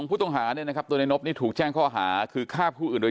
เสียบยางเสียบติดด้วยด้วยจุมของอาวุธปืนด้วย